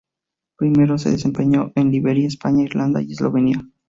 Primeramente se desempeñó en Liberia, España, Irlanda y Eslovenia.